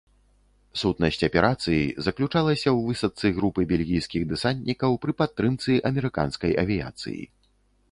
Сутнасць аперацыі заключалася ў высадцы групы бельгійскіх дэсантнікаў пры падтрымцы амерыканскай авіяцыі.